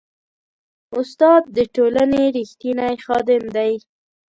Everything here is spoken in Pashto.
استاد د ټولنې ریښتینی خادم دی.